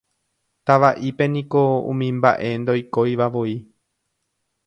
Tava'ípe niko umi mba'e ndoikoivavoi.